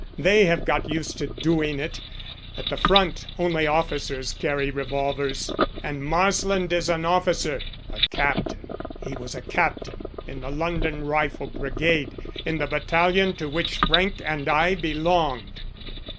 They have got used to doing it. At the front only officers carry revolvers. And Marsland is an officer a captain. He was a captain in the London Rifle Brigade, in the battalion to which Frank and I belonged."